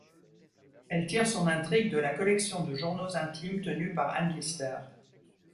Elle tire son intrigue de la collection de journaux intimes tenus par Anne Lister.